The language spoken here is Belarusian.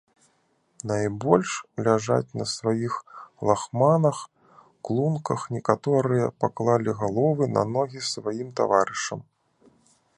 Найбольш ляжаць на сваіх лахманах, клунках, некаторыя паклалі галовы на ногі сваім таварышам.